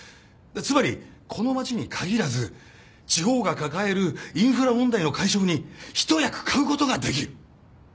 つまりこの町に限らず地方が抱えるインフラ問題の解消に一役買うことができる。